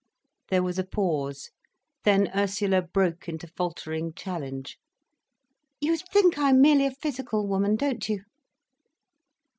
There was a pause. Then Ursula broke into faltering challenge. "You think I'm merely a physical woman, don't you?"